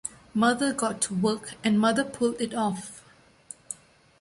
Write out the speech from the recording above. Mother got to work and mother pulled it off.